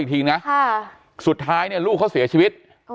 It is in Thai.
อีกทีนะสุดท้ายเนี่ยลูกเขาเสียชีวิต